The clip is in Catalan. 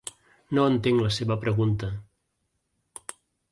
No entenc la seva pregunta.